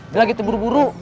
gak gitu buru buru